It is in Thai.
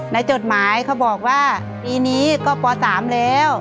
จดหมายเขาบอกว่าปีนี้ก็ป๓แล้ว